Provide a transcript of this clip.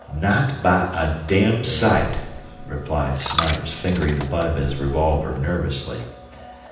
"Not by a damned sight," replied Snipes, fingering the butt of his revolver nervously.